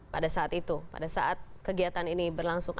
pada saat itu pada saat kegiatan ini berlangsung